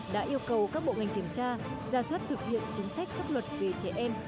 đã yêu cầu các bộ ngành kiểm tra gia soát thực hiện chính sách cấp luật về trẻ em